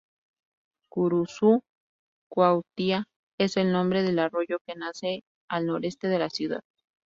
Curuzú Cuatiá es el nombre del arroyo que nace al noroeste de la ciudad.